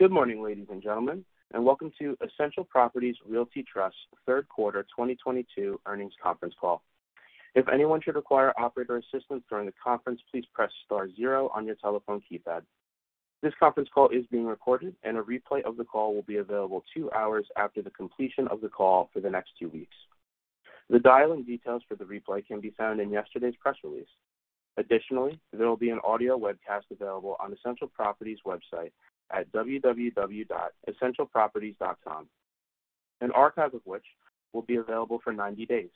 Good morning, ladies and gentlemen, and welcome to Essential Properties Realty Trust Q3 2022 earnings conference call. If anyone should require operator assistance during the conference, please press star zero on your telephone keypad. This conference call is being recorded, and a replay of the call will be available two hours after the completion of the call for the next two weeks. The dialing details for the replay can be found in yesterday's press release. Additionally, there will be an audio webcast available on Essential Properties website at www.essentialproperties.com. An archive of which will be available for 90 days.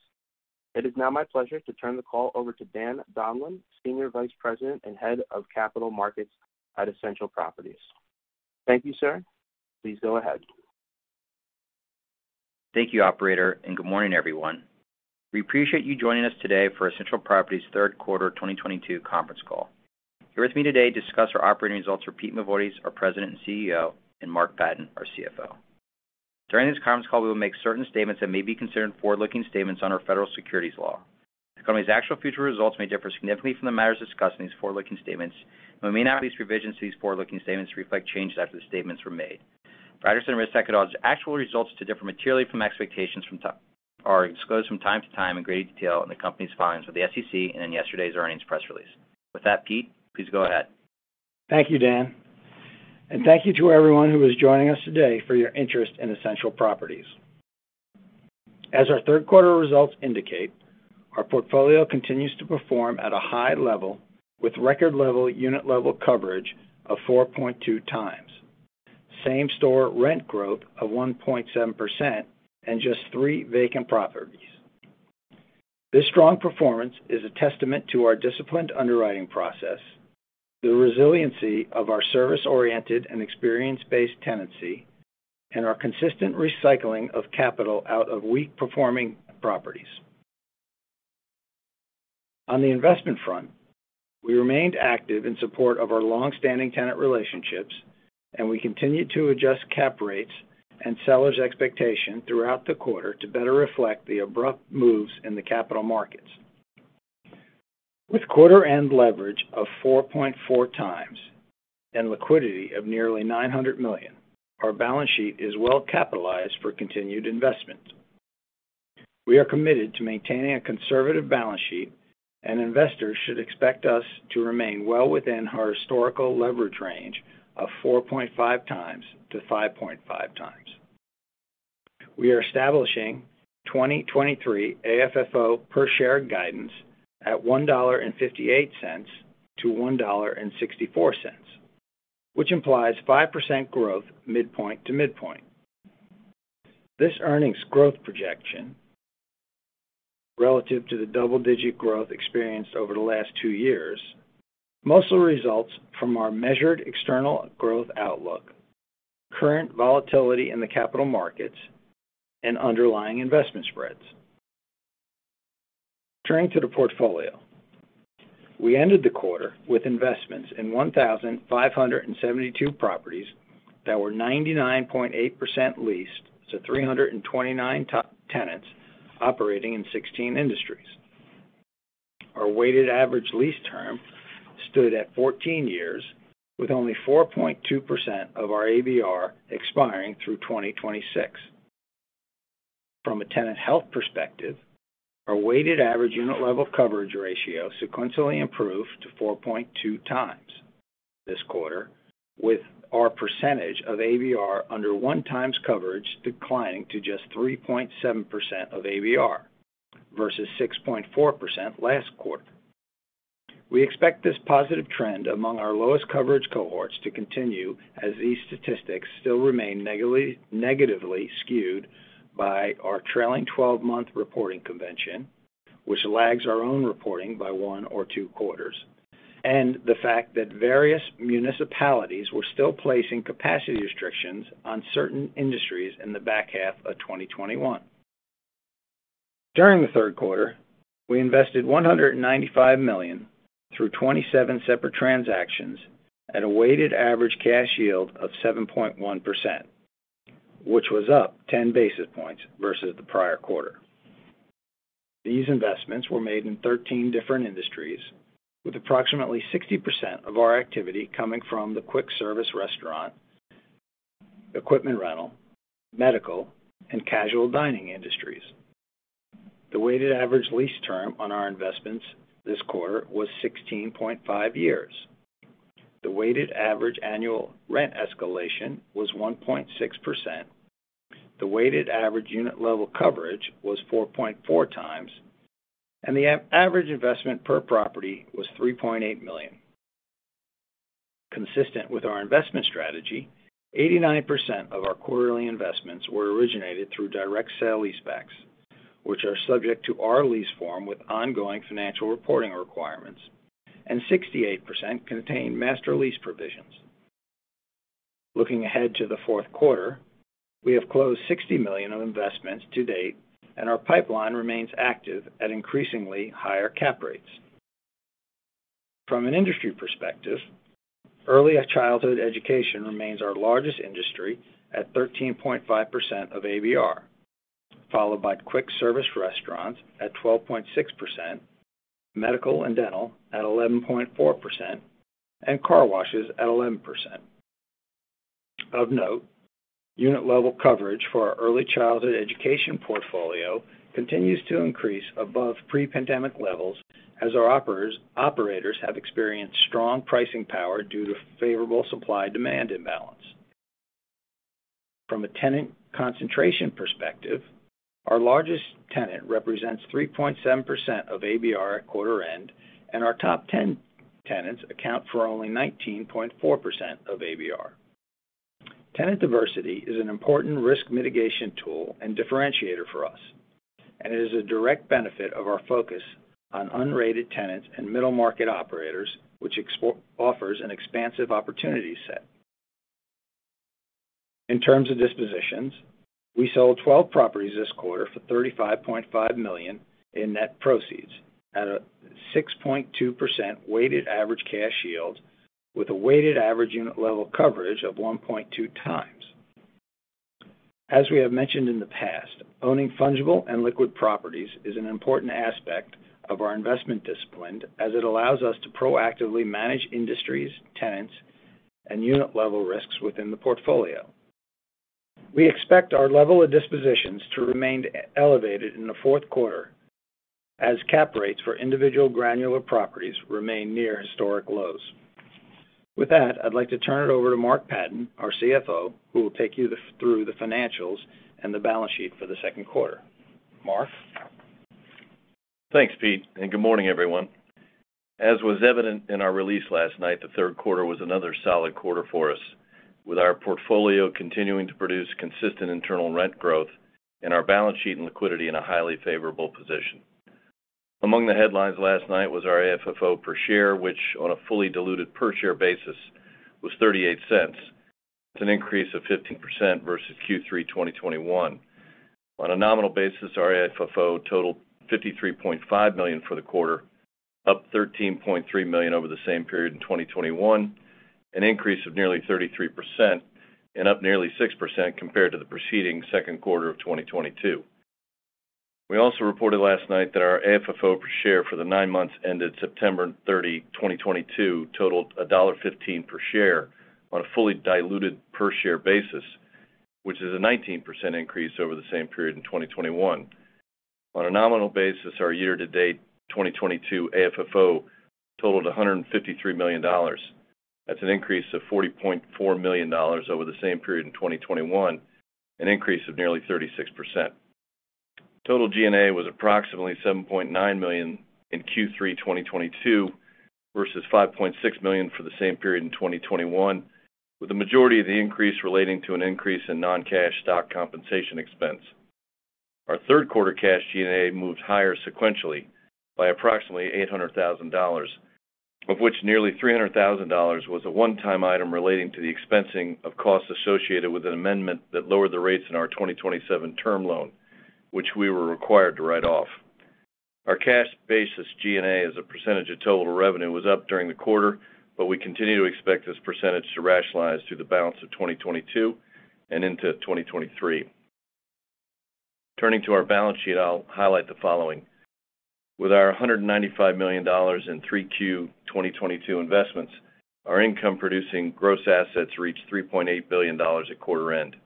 It is now my pleasure to turn the call over to Dan Donlan, Senior Vice President and Head of Capital Markets at Essential Properties. Thank you, sir. Please go ahead. Thank you, operator, and good morning, everyone. We appreciate you joining us today for Essential Properties third quarter 2022 conference call. Here with me today to discuss our operating results are Peter Mavoides, our President and CEO, and Mark Patten, our CFO. During this conference call, we will make certain statements that may be considered forward-looking statements under federal securities laws. The company's actual future results may differ significantly from the matters discussed in these forward-looking statements, and we may not revise these forward-looking statements to reflect changes after the statements were made. Factors and risks that could cause actual results to differ materially from expectations are disclosed from time to time in greater detail in the company's filings with the SEC and in yesterday's earnings press release. With that, Pete, please go ahead. Thank you, Dan. Thank you to everyone who is joining us today for your interest in Essential Properties. As our third quarter results indicate, our portfolio continues to perform at a high level with record level unit level coverage of 4.2x, same-store rent growth of 1.7%, and just three vacant properties. This strong performance is a testament to our disciplined underwriting process, the resiliency of our service-oriented and experience-based tenancy, and our consistent recycling of capital out of weak-performing properties. On the investment front, we remained active in support of our long-standing tenant relationships, and we continued to adjust cap rates and sellers expectation throughout the quarter to better reflect the abrupt moves in the capital markets. With quarter-end leverage of 4.4x and liquidity of nearly $900 million, our balance sheet is well capitalized for continued investment. We are committed to maintaining a conservative balance sheet, and investors should expect us to remain well within our historical leverage range of 4.5x-5.5x. We are establishing 2023 AFFO per share guidance at $1.58-$1.64, which implies 5% growth midpoint to midpoint. This earnings growth projection relative to the double-digit growth experienced over the last two years mostly results from our measured external growth outlook, current volatility in the capital markets, and underlying investment spreads. Turning to the portfolio, we ended the quarter with investments in 1,572 properties that were 99.8% leased to 329 tenants operating in 16 industries. Our weighted average lease term stood at 14 years with only 4.2% of our ABR expiring through 2026. From a tenant health perspective, our weighted average unit level coverage ratio sequentially improved to 4.2x this quarter, with our percentage of ABR under 1x coverage declining to just 3.7% of ABR versus 6.4% last quarter. We expect this positive trend among our lowest coverage cohorts to continue as these statistics still remain negatively skewed by our trailing twelve-month reporting convention, which lags our own reporting by one or two quarters, and the fact that various municipalities were still placing capacity restrictions on certain industries in the back half of 2021. During the third quarter, we invested $195 million through 27 separate transactions at a weighted average cash yield of 7.1%, which was up 10 basis points versus the prior quarter. These investments were made in 13 different industries, with approximately 60% of our activity coming from the quick service restaurant, equipment rental, medical, and casual dining industries. The weighted average lease term on our investments this quarter was 16.5 years. The weighted average annual rent escalation was 1.6%. The weighted average unit level coverage was 4.4x, and the average investment per property was $3.8 million. Consistent with our investment strategy, 89% of our quarterly investments were originated through direct sale-leasebacks, which are subject to our lease form with ongoing financial reporting requirements, and 68% contained master lease provisions. Looking ahead to the fourth quarter, we have closed $60 million of investments to date, and our pipeline remains active at increasingly higher cap rates. From an industry perspective, early childhood education remains our largest industry at 13.5% of ABR. Followed by quick service restaurants at 12.6%, medical and dental at 11.4%, and car washes at 11%. Of note, unit level coverage for our early childhood education portfolio continues to increase above pre-pandemic levels as our operators have experienced strong pricing power due to favorable supply demand imbalance. From a tenant concentration perspective, our largest tenant represents 3.7% of ABR at quarter end, and our top 10 tenants account for only 19.4% of ABR. Tenant diversity is an important risk mitigation tool and differentiator for us, and it is a direct benefit of our focus on unrated tenants and middle market operators, which offers an expansive opportunity set. In terms of dispositions, we sold 12 properties this quarter for $35.5 million in net proceeds at a 6.2% weighted average cash yield with a weighted average unit level coverage of 1.2x. As we have mentioned in the past, owning fungible and liquid properties is an important aspect of our investment discipline, as it allows us to proactively manage industries, tenants, and unit-level risks within the portfolio. We expect our level of dispositions to remain elevated in the fourth quarter as cap rates for individual granular properties remain near historic lows. With that, I'd like to turn it over to Mark Patten, our CFO, who will take you through the financials and the balance sheet for the second quarter. Mark? Thanks, Pete, and good morning, everyone. As was evident in our release last night, the third quarter was another solid quarter for us, with our portfolio continuing to produce consistent internal rent growth and our balance sheet and liquidity in a highly favorable position. Among the headlines last night was our AFFO per share, which, on a fully diluted per share basis, was $0.38. That's an increase of 15% versus Q3 2021. On a nominal basis, our AFFO totaled $53.5 million for the quarter, up $13.3 million over the same period in 2021, an increase of nearly 33% and up nearly 6% compared to the preceding second quarter of 2022. We also reported last night that our AFFO per share for the nine months ended September 30, 2022, totaled $1.15 per share on a fully diluted per share basis, which is a 19% increase over the same period in 2021. On a nominal basis, our year-to-date 2022 AFFO totaled $153 million. That's an increase of $40.4 million over the same period in 2021, an increase of nearly 36%. Total G&A was approximately $7.9 million in Q3 2022 versus $5.6 million for the same period in 2021, with the majority of the increase relating to an increase in non-cash stock compensation expense. Our third quarter cash G&A moved higher sequentially by approximately $800,000, of which nearly $300,000 was a one-time item relating to the expensing of costs associated with an amendment that lowered the rates in our 2027 term loan, which we were required to write off. Our cash basis G&A as a percentage of total revenue was up during the quarter, but we continue to expect this percentage to rationalize through the balance of 2022 and into 2023. Turning to our balance sheet, I'll highlight the following. With our $195 million in Q3 2022 investments, our income-producing gross assets reached $3.8 billion at quarter end.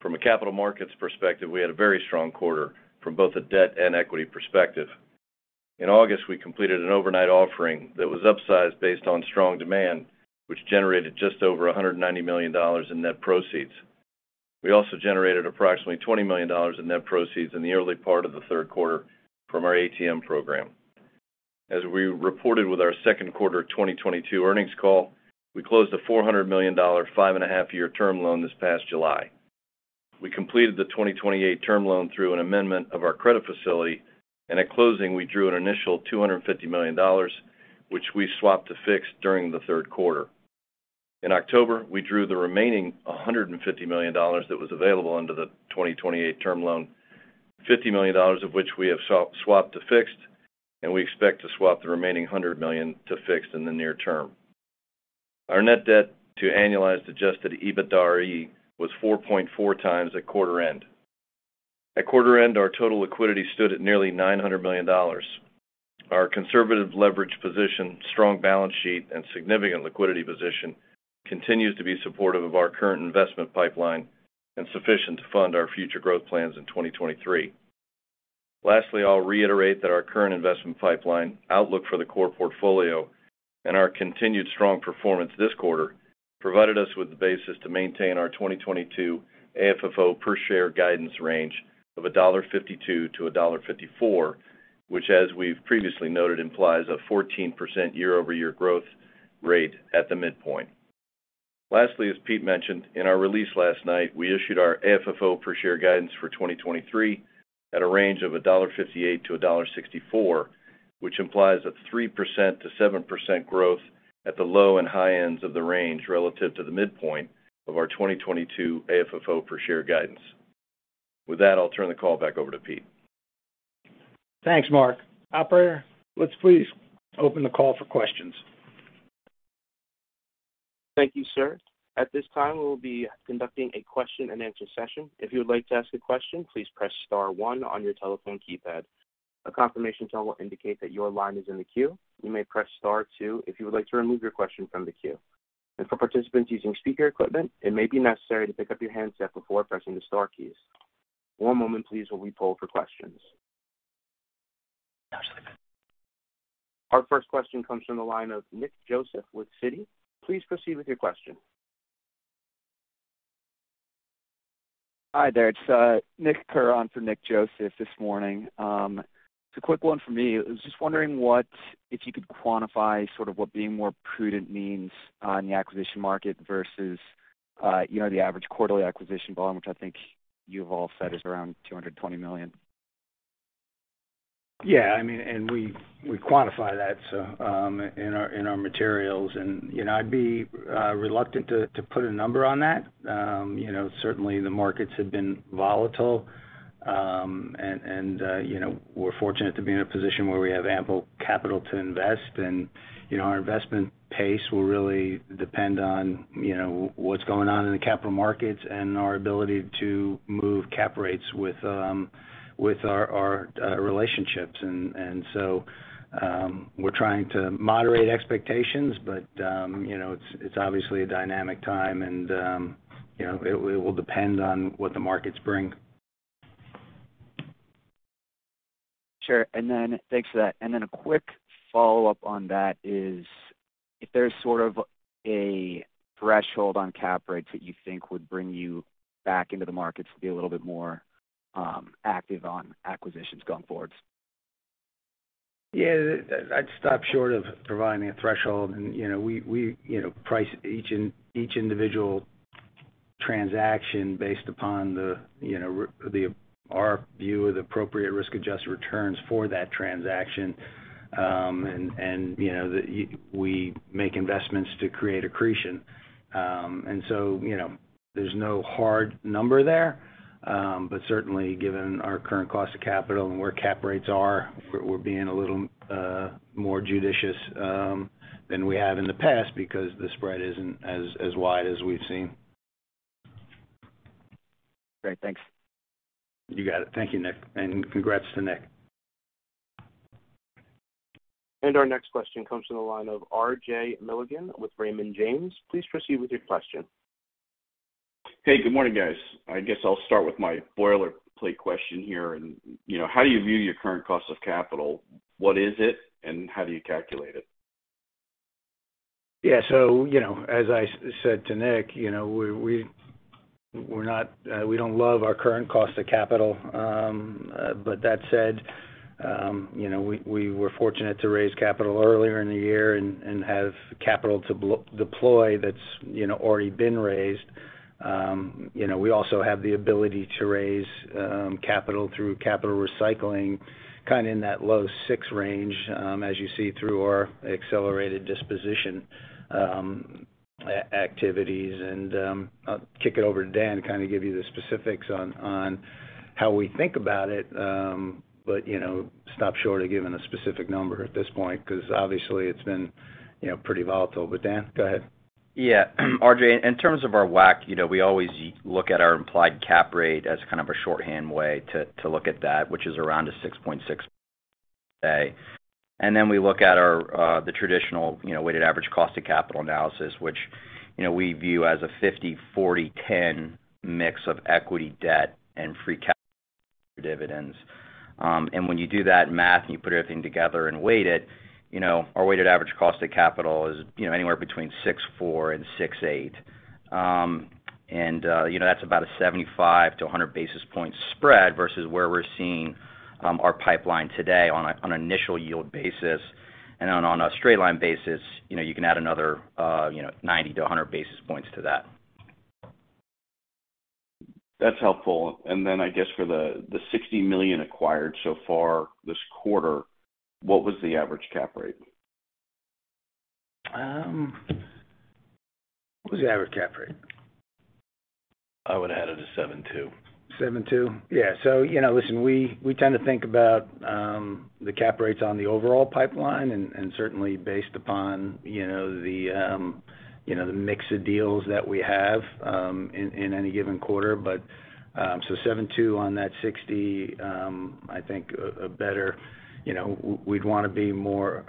From a capital markets perspective, we had a very strong quarter from both a debt and equity perspective. In August, we completed an overnight offering that was upsized based on strong demand, which generated just over $190 million in net proceeds. We also generated approximately $20 million in net proceeds in the early part of the third quarter from our ATM program. As we reported with our second quarter 2022 earnings call, we closed a $400 million 5.5-year term loan this past July. We completed the 2028 term loan through an amendment of our credit facility, and at closing, we drew an initial $250 million, which we swapped to fixed during the third quarter. In October, we drew the remaining $150 million that was available under the 2028 term loan, $50 million of which we have swapped to fixed, and we expect to swap the remaining $100 million to fixed in the near term. Our net debt to annualized adjusted EBITDA was 4.4x at quarter end. At quarter end, our total liquidity stood at nearly $900 million. Our conservative leverage position, strong balance sheet, and significant liquidity position continues to be supportive of our current investment pipeline and sufficient to fund our future growth plans in 2023. Lastly, I'll reiterate that our current investment pipeline outlook for the core portfolio and our continued strong performance this quarter provided us with the basis to maintain our 2022 AFFO per share guidance range of $1.52-$1.54, which, as we've previously noted, implies a 14% year-over-year growth rate at the midpoint. Lastly, as Pete mentioned, in our release last night, we issued our AFFO per share guidance for 2023 at a range of $1.58-$1.64, which implies a 3%-7% growth at the low and high ends of the range relative to the midpoint of our 2022 AFFO per share guidance. With that, I'll turn the call back over to Pete. Thanks, Mark. Operator, let's please open the call for questions. Thank you, sir. At this time, we will be conducting a question-and-answer session. If you would like to ask a question, please press star one on your telephone keypad. A confirmation tone will indicate that your line is in the queue. You may press star two if you would like to remove your question from the queue. For participants using speaker equipment, it may be necessary to pick up your handset before pressing the star keys. One moment please while we poll for questions. Our first question comes from the line of Nick Joseph with Citi. Please proceed with your question. Hi there, it's Nick Kerr for Nick Joseph this morning. It's a quick one for me. I was just wondering what, if you could quantify sort of what being more prudent means on the acquisition market versus, you know, the average quarterly acquisition volume, which I think you've all said is around $220 million. Yeah, I mean, we quantify that, so, in our materials and, you know, I'd be reluctant to put a number on that. You know, certainly the markets have been volatile, and you know, we're fortunate to be in a position where we have ample capital to invest and, you know, our investment pace will really depend on, you know, what's going on in the capital markets and our ability to move cap rates with our relationships. We're trying to moderate expectations, but, you know, it's obviously a dynamic time and, you know, it will depend on what the markets bring. Sure. Then thanks for that. Then a quick follow-up on that is if there's sort of a threshold on cap rates that you think would bring you back into the markets to be a little bit more active on acquisitions going forwards? Yeah. I'd stop short of providing a threshold. You know, we price each individual transaction based upon you know our view of the appropriate risk-adjusted returns for that transaction. You know, we make investments to create accretion. You know, there's no hard number there. Certainly given our current cost of capital and where cap rates are, we're being a little more judicious than we have in the past because the spread isn't as wide as we've seen. Great. Thanks. You got it. Thank you, Nick. Congrats to Nick. Our next question comes from the line of RJ Milligan with Raymond James. Please proceed with your question. Hey, good morning, guys. I guess I'll start with my boilerplate question here. You know, how do you view your current cost of capital? What is it, and how do you calculate it? You know, as I said to Nick, you know, we don't love our current cost of capital. But that said, you know, we were fortunate to raise capital earlier in the year and have capital to deploy that's already been raised. You know, we also have the ability to raise capital through capital recycling, kind of in that low six range, as you see through our accelerated disposition activities. I'll kick it over to Dan to kind of give you the specifics on how we think about it, but you know, stop short of giving a specific number at this point because obviously it's been pretty volatile. Dan, go ahead. Yeah. RJ, in terms of our WACC, you know, we always look at our implied cap rate as kind of a shorthand way to look at that, which is around 6.6 today. Then we look at our, the traditional, you know, weighted average cost of capital analysis, which, you know, we view as a 50/40/10 mix of equity, debt, and free cash dividends. When you do that math and you put everything together and weight it, you know, our weighted average cost of capital is, you know, anywhere between 6.4 and 6.8. You know, that's about a 75-100 basis point spread versus where we're seeing our pipeline today on an initial yield basis. On a straight line basis, you know, you can add another, you know, 90-100 basis points to that. That's helpful. Then I guess for the $60 million acquired so far this quarter, what was the average cap rate? What was the average cap rate? I would add it to 7.2%. 7.2%? Yeah. You know, listen, we tend to think about the cap rates on the overall pipeline and certainly based upon, you know, the mix of deals that we have in any given quarter. 7.2% on that 60, I think a better, you know, we'd wanna be more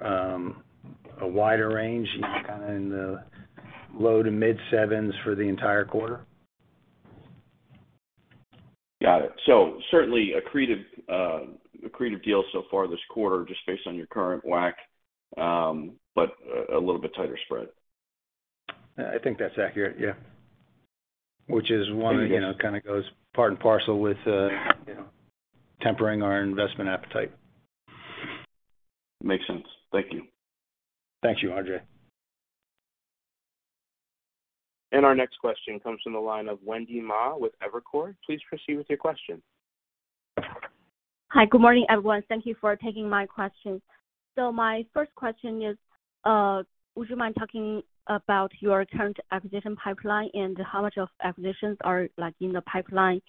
a wider range, you know, kind of in the low- to mid-7s% for the entire quarter. Got it. Certainly accretive deals so far this quarter just based on your current WACC, but a little bit tighter spread. I think that's accurate, yeah. Which is one, you know, kind of goes part and parcel with, you know, tempering our investment appetite. Makes sense. Thank you. Thank you, RJ. Our next question comes from the line of Wendy Ma with Evercore. Please proceed with your question. Hi. Good morning, everyone. Thank you for taking my question. My first question is, would you mind talking about your current acquisition pipeline and how much of acquisitions are like in the pipeline?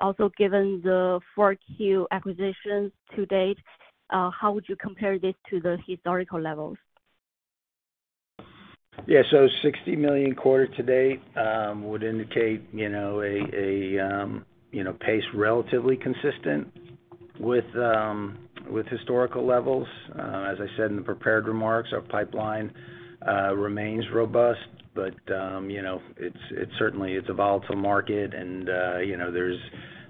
Also given the 4Q acquisitions to date How would you compare this to the historical levels? $60 million quarter to date would indicate, you know, a pace relatively consistent with historical levels. As I said in the prepared remarks, our pipeline remains robust. You know, it's certainly a volatile market and, you know,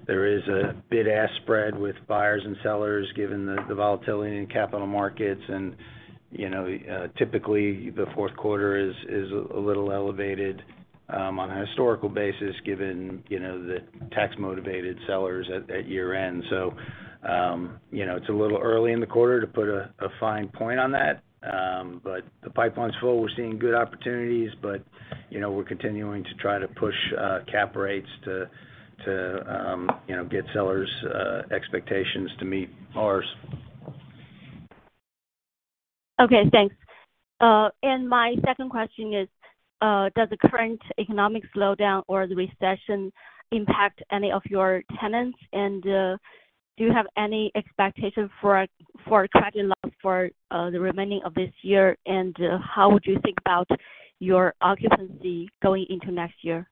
there is a bid-ask spread with buyers and sellers given the volatility in capital markets. Typically, the fourth quarter is a little elevated on a historical basis given the tax-motivated sellers at year-end. It's a little early in the quarter to put a fine point on that. The pipeline's full. We're seeing good opportunities, but, you know, we're continuing to try to push cap rates to get sellers' expectations to meet ours. Okay, thanks. Does the current economic slowdown or the recession impact any of your tenants? Do you have any expectations for credit loss for the remaining of this year? How would you think about your occupancy going into next year?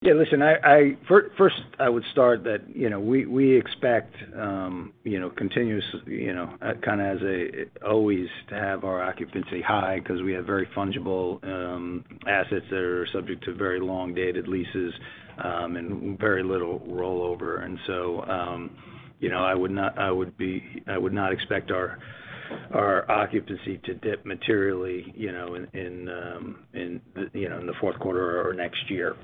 Yeah, listen, first, I would start that, you know, we expect, you know, continuous, you know, kind of as always to have our occupancy high because we have very fungible assets that are subject to very long-dated leases and very little rollover. You know, I would not expect our occupancy to dip materially, you know, in the fourth quarter or next year.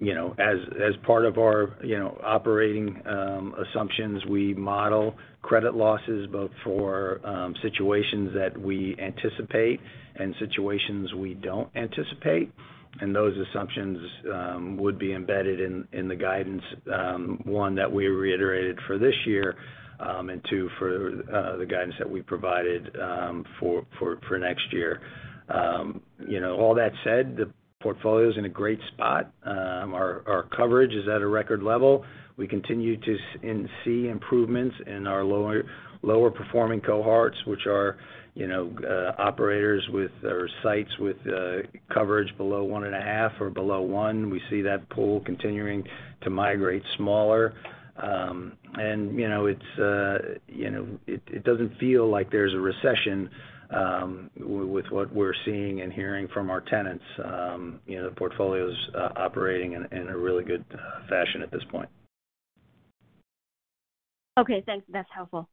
You know, as part of our, you know, operating assumptions, we model credit losses both for situations that we anticipate and situations we don't anticipate, and those assumptions would be embedded in the guidance, one that we reiterated for this year, and two, for the guidance that we provided for next year. You know, all that said, the portfolio's in a great spot. Our coverage is at a record level. We continue to see improvements in our lower performing cohorts, which are, you know, operators with their sites with coverage below 1.5 or below 1. We see that pool continuing to migrate smaller. You know, it doesn't feel like there's a recession with what we're seeing and hearing from our tenants. You know, the portfolio's operating in a really good fashion at this point. Okay, thanks. That's helpful.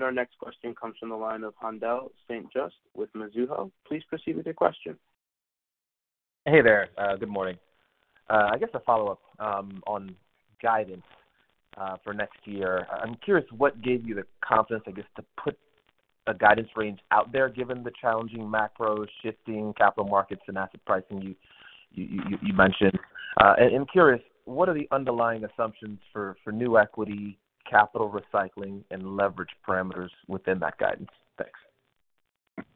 Our next question comes from the line of Haendel St. Juste with Mizuho. Please proceed with your question. Hey there. Good morning. I guess a follow-up on guidance for next year. I'm curious, what gave you the confidence, I guess, to put a guidance range out there given the challenging macros, shifting capital markets and asset pricing you mentioned? I'm curious, what are the underlying assumptions for new equity, capital recycling and leverage parameters within that guidance? Thanks.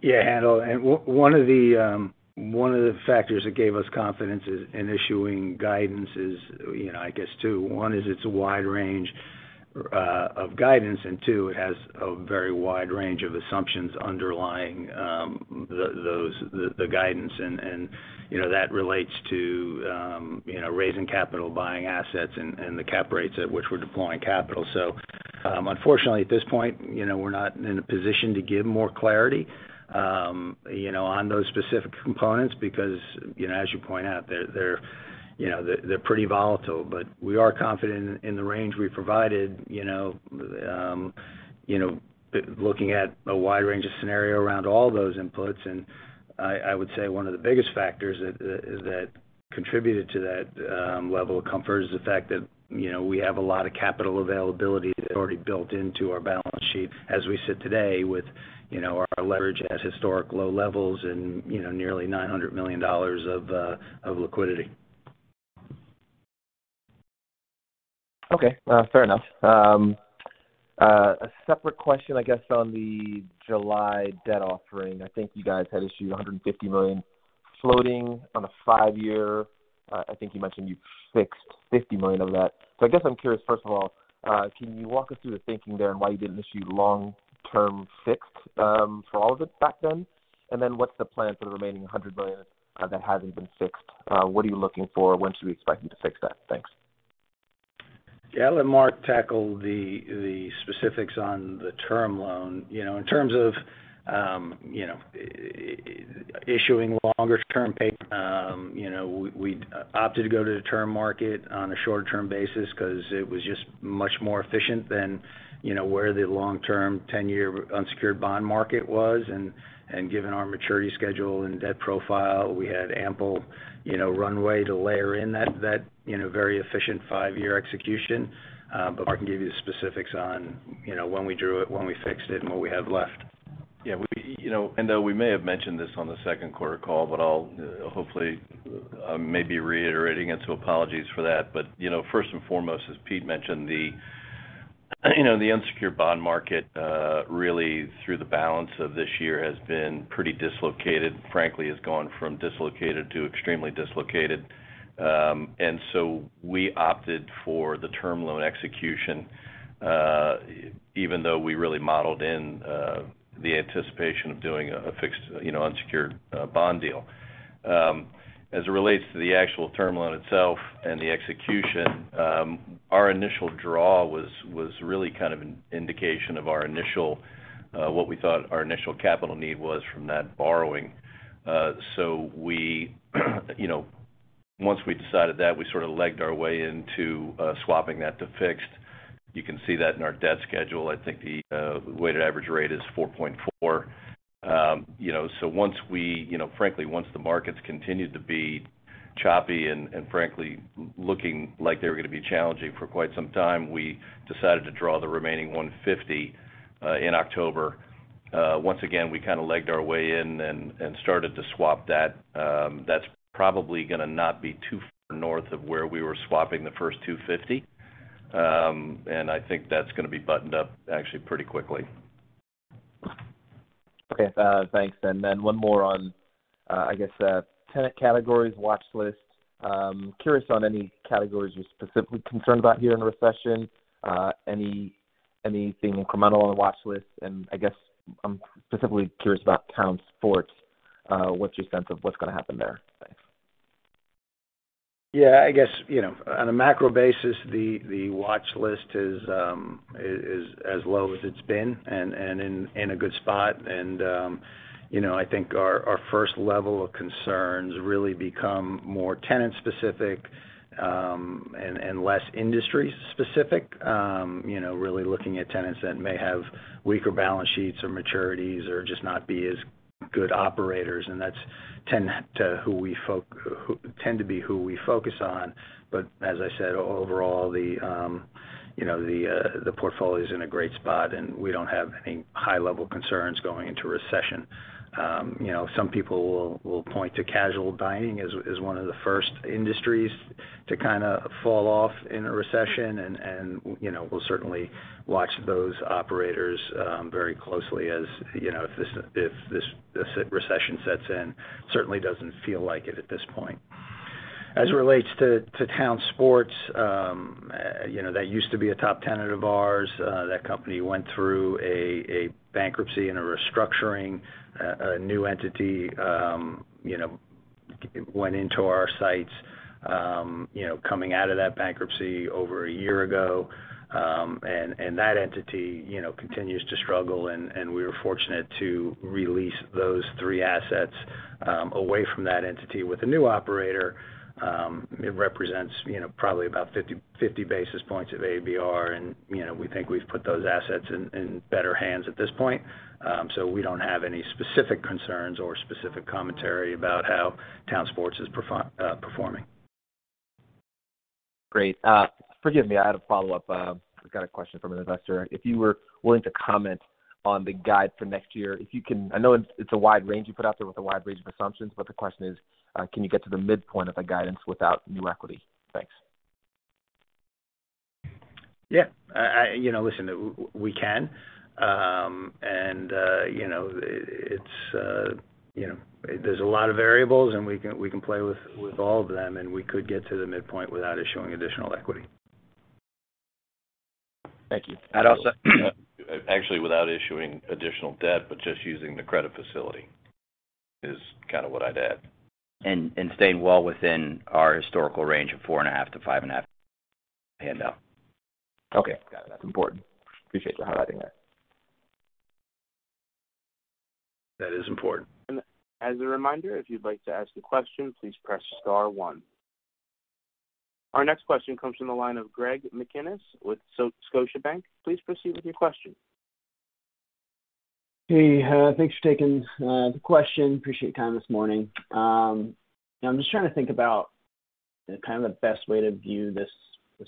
Yeah, Haendel. One of the factors that gave us confidence in issuing guidance is, you know, I guess two. One is it's a wide range of guidance, and two, it has a very wide range of assumptions underlying those guidance. You know, that relates to, you know, raising capital, buying assets and the cap rates at which we're deploying capital. Unfortunately, at this point, you know, we're not in a position to give more clarity, you know, on those specific components because, you know, as you point out, they're pretty volatile. We are confident in the range we provided, you know, you know, looking at a wide range of scenario around all those inputs. I would say one of the biggest factors that contributed to that level of comfort is the fact that, you know, we have a lot of capital availability that's already built into our balance sheet as we sit today with, you know, our leverage at historic low levels and, you know, nearly $900 million of liquidity. Okay. Fair enough. A separate question, I guess, on the July debt offering. I think you guys had issued $150 million floating on a five-year. I think you mentioned you fixed $50 million of that. I guess I'm curious, first of all, can you walk us through the thinking there and why you didn't issue long-term fixed, for all of it back then? Then what's the plan for the remaining $100 million, that hasn't been fixed? What are you looking for? When should we expect you to fix that? Thanks. Yeah, I'll let Mark tackle the specifics on the term loan. You know, in terms of, you know, issuing longer term pay, you know, we opted to go to the term market on a shorter-term basis because it was just much more efficient than, you know, where the long-term ten-year unsecured bond market was. Given our maturity schedule and debt profile, we had ample, you know, runway to layer in that, you know, very efficient five-year execution. Mark can give you the specifics on, you know, when we drew it, when we fixed it, and what we have left. Yeah. We, you know, and though we may have mentioned this on the second quarter call, but I'll hopefully, maybe reiterating it, so apologies for that. You know, first and foremost, as Pete mentioned, the, you know, the unsecured bond market really through the balance of this year has been pretty dislocated, frankly, has gone from dislocated to extremely dislocated. We opted for the term loan execution even though we really modeled in the anticipation of doing a fixed, you know, unsecured, bond deal. As it relates to the actual term loan itself and the execution, our initial draw was really kind of an indication of our initial what we thought our initial capital need was from that borrowing. We, you know, once we decided that, we sort of legged our way into swapping that to fixed. You can see that in our debt schedule. I think the weighted average rate is 4.4%. Once we, you know, frankly, once the markets continued to be choppy and frankly, looking like they were gonna be challenging for quite some time, we decided to draw the remaining $150 in October. Once again, we kinda legged our way in and started to swap that. That's probably gonna not be too far north of where we were swapping the first $250. I think that's gonna be buttoned up actually pretty quickly. Okay. Thanks. One more on, I guess, tenant categories, watchlist. Curious on any categories you're specifically concerned about here in the recession, anything incremental on the watchlist? I guess I'm specifically curious about Town Sports. What's your sense of what's gonna happen there? Thanks. Yeah, I guess, you know, on a macro basis, the watchlist is as low as it's been and in a good spot. You know, I think our first level of concerns really become more tenant-specific and less industry-specific. You know, really looking at tenants that may have weaker balance sheets or maturities or just not be as good operators, and that's who we tend to focus on. But as I said, overall, you know, the portfolio's in a great spot, and we don't have any high-level concerns going into recession. You know, some people will point to casual dining as one of the first industries to kinda fall off in a recession. You know, we'll certainly watch those operators very closely, as you know, if this recession sets in. Certainly doesn't feel like it at this point. As it relates to Town Sports, you know, that used to be a top tenant of ours. That company went through a bankruptcy and a restructuring. A new entity, you know, went into our sites, you know, coming out of that bankruptcy over a year ago. And that entity, you know, continues to struggle, and we were fortunate to release those three assets away from that entity with a new operator. It represents, you know, probably about 50 basis points of ABR, and you know, we think we've put those assets in better hands at this point. We don't have any specific concerns or specific commentary about how Town Sports is performing. Great. Forgive me, I had a follow-up. I've got a question from an investor. If you were willing to comment on the guidance for next year, if you can, I know it's a wide range you put out there with a wide range of assumptions, but the question is, can you get to the midpoint of the guidance without new equity? Thanks. Yeah. You know, listen, we can. You know, it's you know, there's a lot of variables, and we can play with all of them, and we could get to the midpoint without issuing additional equity. Thank you. I'd also- Actually, without issuing additional debt, but just using the credit facility is kinda what I'd add. Staying well within our historical range of 4.5-5.5. I end now. Okay. Got it. That's important. Appreciate providing that. That is important. As a reminder, if you'd like to ask a question, please press star one. Our next question comes from the line of Greg McGinniss with Scotiabank. Please proceed with your question. Hey, thanks for taking the question. Appreciate your time this morning. I'm just trying to think about kind of the best way to view this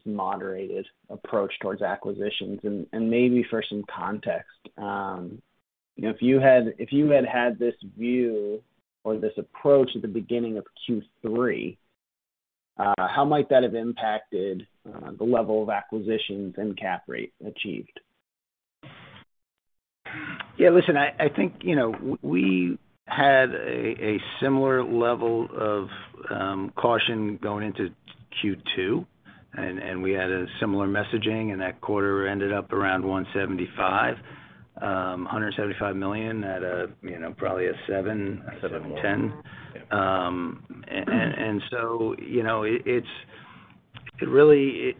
moderated approach towards acquisitions. Maybe for some context, you know, if you had had this view or this approach at the beginning of Q3, how might that have impacted the level of acquisitions and cap rate achieved? Yeah. Listen, I think, you know, we had a similar level of caution going into Q2, and we had a similar messaging, and that quarter ended up around $175 million. $175 million at a, you know, probably a 7.7%-10%. And so, you know, it's really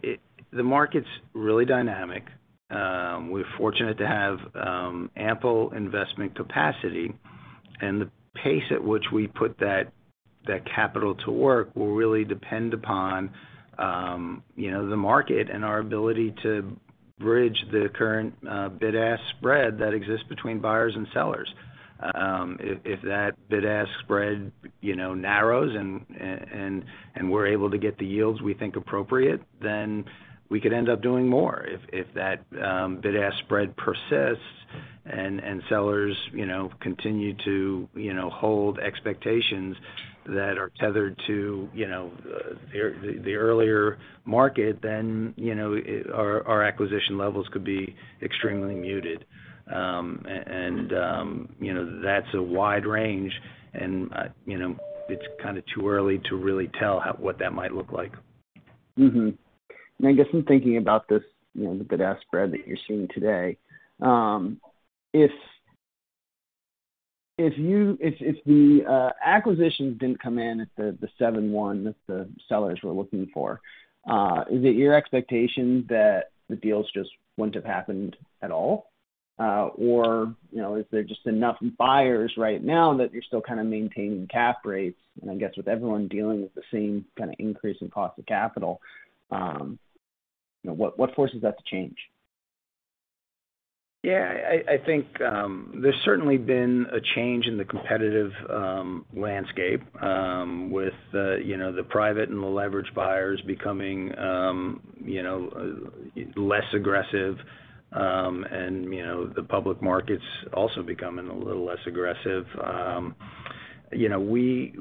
the market's really dynamic. We're fortunate to have ample investment capacity, and the pace at which we put that capital to work will really depend upon, you know, the market and our ability to bridge the current bid-ask spread that exists between buyers and sellers. If that bid-ask spread, you know, narrows and we're able to get the yields we think appropriate, then we could end up doing more. If that bid-ask spread persists and sellers you know continue to you know hold expectations that are tethered to you know the earlier market than our acquisition levels could be extremely muted. That's a wide range and you know it's kind of too early to really tell what that might look like. I guess I'm thinking about this, you know, the bid-ask spread that you're seeing today. If the acquisitions didn't come in at the 7.1 that the sellers were looking for, is it your expectation that the deals just wouldn't have happened at all? Or, you know, is there just enough buyers right now that you're still kind of maintaining cap rates, and I guess with everyone dealing with the same kind of increase in cost of capital, you know, what forces that to change? Yeah. I think there's certainly been a change in the competitive landscape with you know the private and the leverage buyers becoming you know less aggressive and you know the public markets also becoming a little less aggressive. You know, we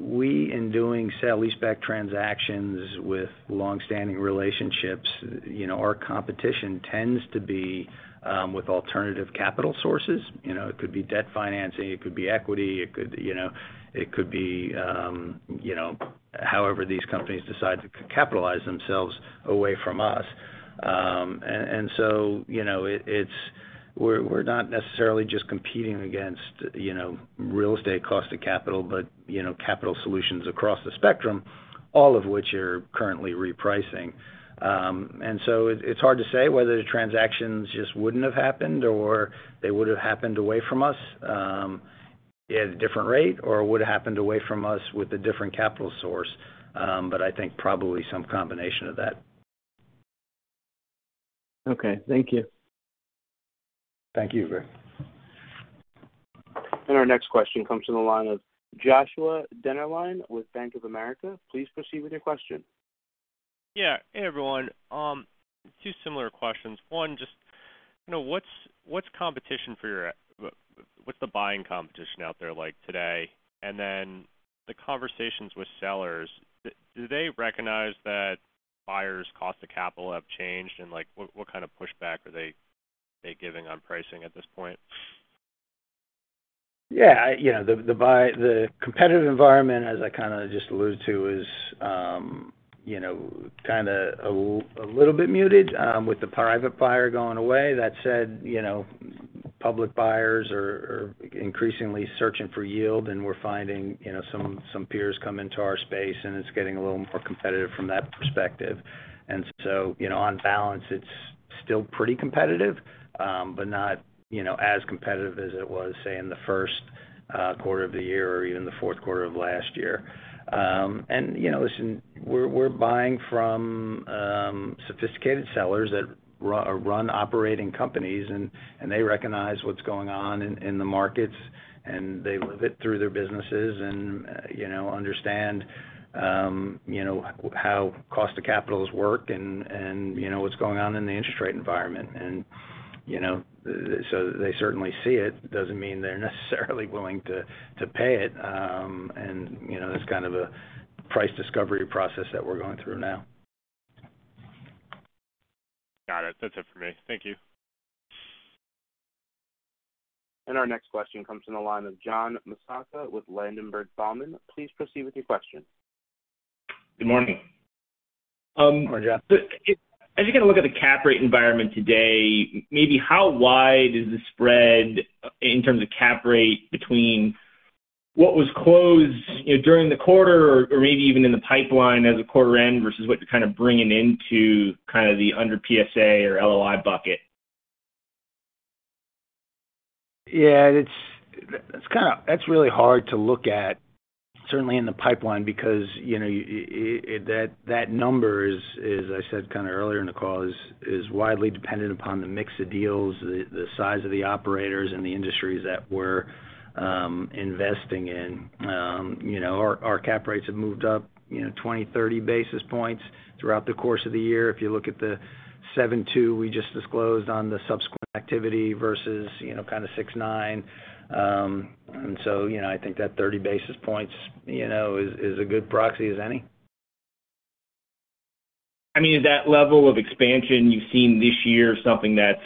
in doing sale-leaseback transactions with long-standing relationships, you know, our competition tends to be with alternative capital sources. You know, it could be debt financing, it could be equity, it could be however these companies decide to capitalize themselves away from us. You know, it's we're not necessarily just competing against you know real estate cost of capital, but you know capital solutions across the spectrum, all of which are currently repricing. It's hard to say whether the transactions just wouldn't have happened or they would've happened away from us, at a different rate or would've happened away from us with a different capital source. I think probably some combination of that. Okay. Thank you. Thank you, RiGreg. Our next question comes from the line of Joshua Dennerlein with Bank of America. Please proceed with your question. Yeah. Hey, everyone. Two similar questions. One, just, you know, what's the buying competition out there like today? The conversations with sellers, do they recognize that buyers' cost of capital have changed, and, like, what kind of pushback are they giving on pricing at this point? Yeah. You know, the competitive environment, as I kinda just alluded to, is, you know, kinda a little bit muted, with the private buyer going away. That said, you know, public buyers are increasingly searching for yield, and we're finding, you know, some peers come into our space, and it's getting a little more competitive from that perspective. You know, on balance, it's still pretty competitive, but not, you know, as competitive as it was, say, in the first quarter of the year or even the fourth quarter of last year. You know, listen, we're buying from sophisticated sellers that run operating companies and they recognize what's going on in the markets, and they live it through their businesses and, you know, understand, you know, how cost of capital work and you know what's going on in the interest rate environment. You know, so they certainly see it, doesn't mean they're necessarily willing to pay it. You know, that's kind of a price discovery process that we're going through now. Got it. That's it for me. Thank you. Our next question comes from the line of John Kilichowski with Ladenburg Thalmann & Co. Inc. Please proceed with your question. Good morning. Good morning, John. As you kind of look at the cap rate environment today, maybe how wide is the spread in terms of cap rate between what was closed, you know, during the quarter or maybe even in the pipeline as a quarter end versus what you're kind of bringing into kind of the under PSA or LOI bucket? Yeah. That's really hard to look at certainly in the pipeline because, you know, that number is, as I said kinda earlier in the call, is widely dependent upon the mix of deals, the size of the operators and the industries that we're investing in. You know, our cap rates have moved up, you know, 20, 30 basis points throughout the course of the year. If you look at the 7.2 we just disclosed on the subsequent activity versus, you know, kind of 6.9. You know, I think that 30 basis points, you know, is a good proxy as any. I mean, is that level of expansion you've seen this year something that's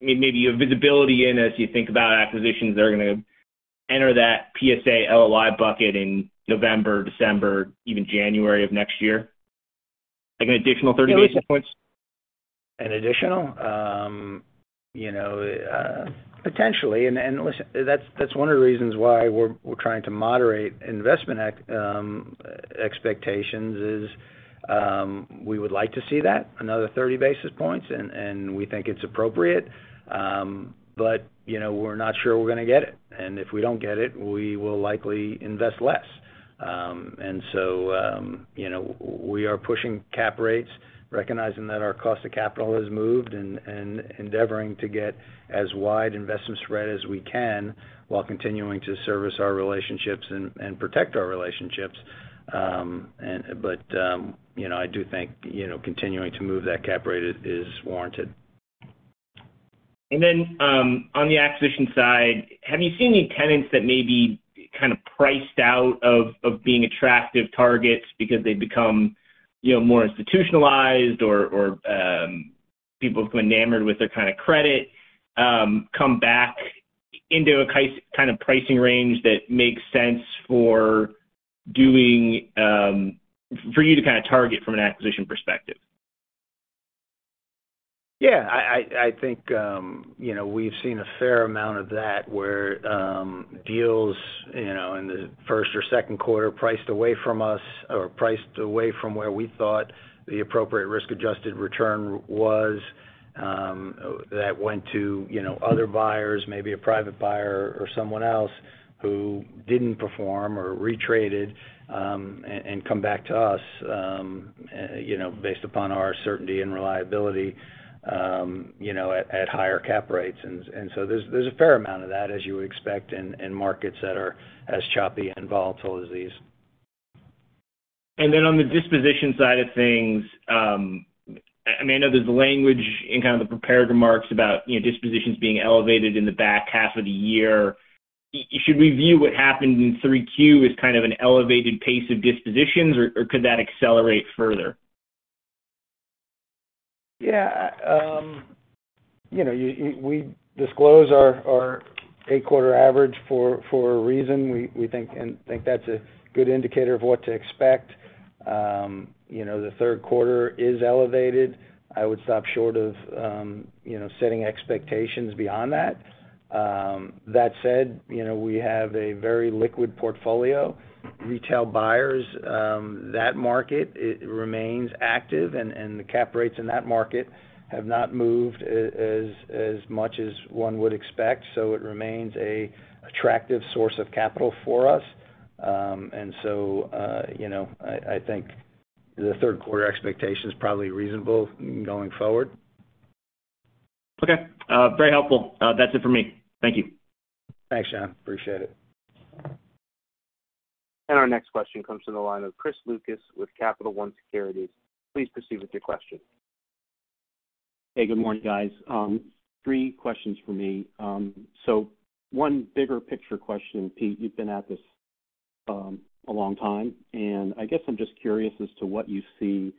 maybe you have visibility in as you think about acquisitions that are gonna enter that PSA LOI bucket in November, December, even January of next year? Like an additional 30 basis points. An additional? You know, potentially. Listen, that's one of the reasons why we're trying to moderate investment expectations is, we would like to see that, another 30 basis points, and we think it's appropriate. You know, we're not sure we're gonna get it. If we don't get it, we will likely invest less. You know, we are pushing cap rates, recognizing that our cost of capital has moved and endeavoring to get as wide investment spread as we can while continuing to service our relationships and protect our relationships. You know, I do think, you know, continuing to move that cap rate is warranted. On the acquisition side, have you seen any tenants that may be kind of priced out of being attractive targets because they've become, you know, more institutionalized or people have gone enamored with their kind of credit come back into a kind of pricing range that makes sense for doing for you to kind of target from an acquisition perspective? Yeah. I think, you know, we've seen a fair amount of that, where deals, you know, in the first or second quarter priced away from us or priced away from where we thought the appropriate risk-adjusted return was, that went to, you know, other buyers, maybe a private buyer or someone else who didn't perform or re-traded, and come back to us, you know, based upon our certainty and reliability, you know, at higher cap rates. There's a fair amount of that as you would expect in markets that are as choppy and volatile as these. On the disposition side of things, I mean, I know there's language in kind of the prepared remarks about, you know, dispositions being elevated in the back half of the year. You should review what happened in 3Q as kind of an elevated pace of dispositions or could that accelerate further? Yeah. You know, we disclose our eight-quarter average for a reason. We think that's a good indicator of what to expect. You know, the third quarter is elevated. I would stop short of you know, setting expectations beyond that. That said, you know, we have a very liquid portfolio. Retail buyers, that market, it remains active and the cap rates in that market have not moved as much as one would expect, so it remains an attractive source of capital for us. You know, I think the third quarter expectation is probably reasonable going forward. Okay. Very helpful. That's it for me. Thank you. Thanks, John. Appreciate it. Our next question comes from the line of Chris Lucas with Capital One Securities. Please proceed with your question. Hey, good morning, guys. Three questions from me. One bigger picture question. Peter, you've been at this, a long time, and I guess I'm just curious as to what you see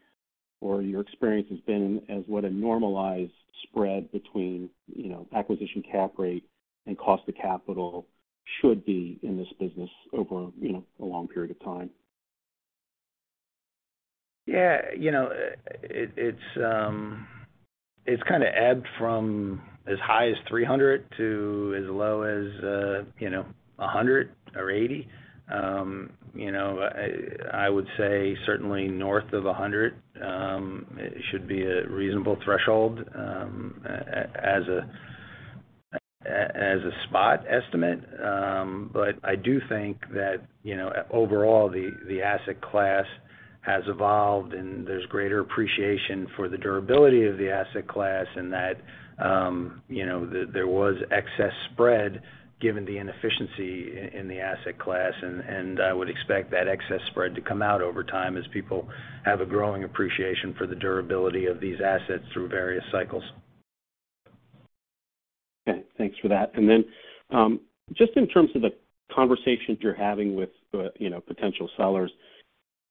or your experience has been as what a normalized spread between, you know, acquisition cap rate and cost of capital should be in this business over, you know, a long period of time. Yeah. You know, it's kind of ebbed from as high as 300 to as low as, you know, 100 or 80. You know, I would say certainly north of 100 should be a reasonable threshold as a spot estimate. I do think that, you know, overall, the asset class has evolved, and there's greater appreciation for the durability of the asset class and that, you know, there was excess spread given the inefficiency in the asset class. I would expect that excess spread to come out over time as people have a growing appreciation for the durability of these assets through various cycles. Okay. Thanks for that. Just in terms of the conversations you're having with, you know, potential sellers,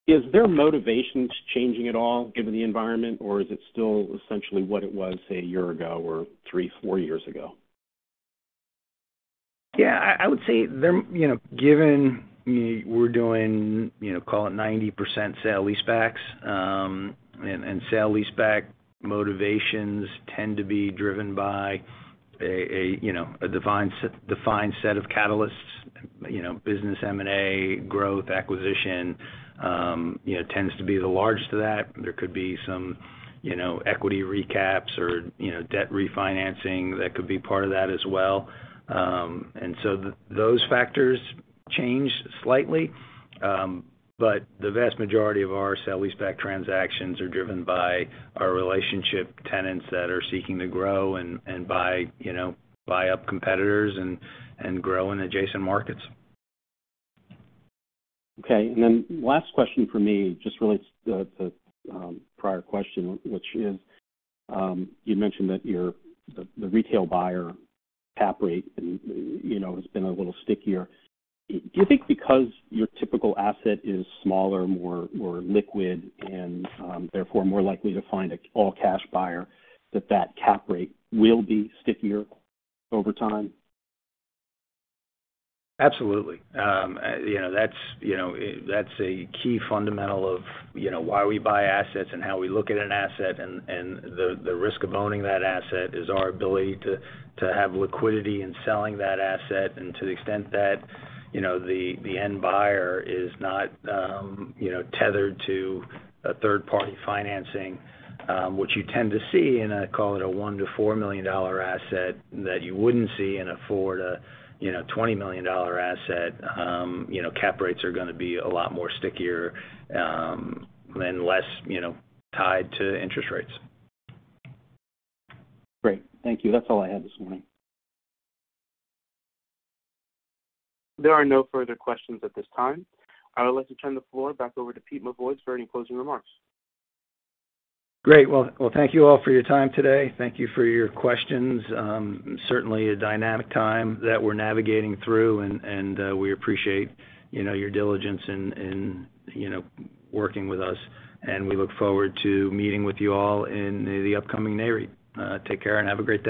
is their motivation changing at all given the environment, or is it still essentially what it was, say, a year ago or three, four years ago? Yeah. I would say they're, you know, given we're doing, you know, call it 90% sale-leasebacks, and sale-leaseback motivations tend to be driven by a, you know, a defined set of catalysts. You know, business M&A, growth acquisition, you know, tends to be the largest of that. There could be some, you know, equity recaps or, you know, debt refinancing that could be part of that as well. And so those factors change slightly. But the vast majority of our sale-leaseback transactions are driven by our relationship tenants that are seeking to grow and buy, you know, buy up competitors and grow in adjacent markets. Okay. Last question for me just relates to prior question, which is, you mentioned that your the retail buyer cap rate, you know, has been a little stickier. Do you think because your typical asset is smaller, more liquid and therefore more likely to find an all-cash buyer that cap rate will be stickier over time? Absolutely. You know, that's a key fundamental of, you know, why we buy assets and how we look at an asset. The risk of owning that asset is our ability to have liquidity in selling that asset. To the extent that, you know, the end buyer is not, you know, tethered to a third-party financing, which you tend to see in a, call it, a $1 million-$4 million asset that you wouldn't see in a $4 million-$20 million asset, you know, cap rates are gonna be a lot more stickier, and less, you know, tied to interest rates. Great. Thank you. That's all I had this morning. There are no further questions at this time. I would like to turn the floor back over to Peter Mavoides for any closing remarks. Great. Well, thank you all for your time today. Thank you for your questions. Certainly a dynamic time that we're navigating through, and we appreciate, you know, your diligence in, you know, working with us, and we look forward to meeting with you all in the upcoming Nareit. Take care and have a great day.